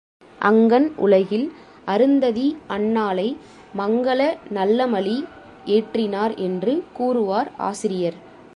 அங்கண் உலகில் அருந்ததி அன்னாளை மங்கல நல்லமளி ஏற்றினார் என்று கூறுவார் ஆசிரியர்.